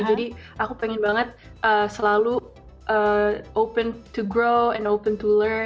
jadi aku pengen banget selalu berkembang dan belajar